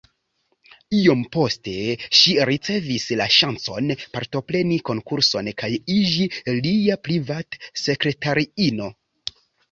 Iom poste ŝi ricevis la ŝancon, partopreni konkurson kaj iĝi lia privat-sekretariino.